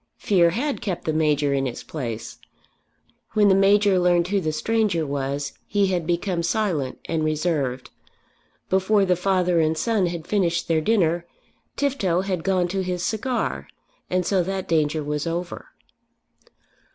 Fear had kept the Major in his place. When the Major learned who the stranger was, he had become silent and reserved. Before the father and son had finished their dinner, Tifto had gone to his cigar; and so that danger was over.